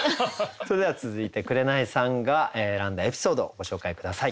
それでは続いて紅さんが選んだエピソードをご紹介下さい。